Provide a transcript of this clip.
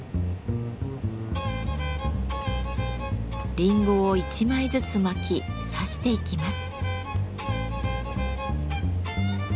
リンゴを１枚ずつ巻きさしていきます。